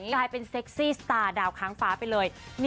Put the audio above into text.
กลายเป็นเซ็กซี่สตาร์ดาวค้างฟ้าไปเลย